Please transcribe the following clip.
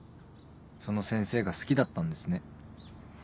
その先生が好きだったんですね。